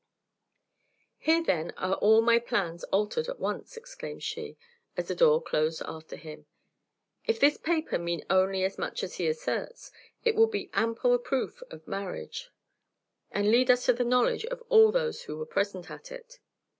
"Here, then, are all my plans altered at once," exclaimed she, as the door closed after him. "If this paper mean only as much as he asserts, it will be ample proof of marriage, and lead us to the knowledge of all those who were present at it."